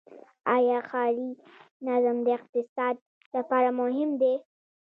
آیا ښاري نظم د اقتصاد لپاره مهم دی؟